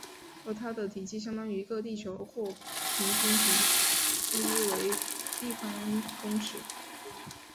而它的体积相当于个地球或平均体积为立方公尺。